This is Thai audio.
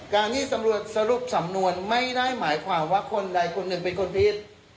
การที่สำรวจสรุปสำนวนไม่ได้หมายความว่าคนใดคนหนึ่งเป็นคนผิด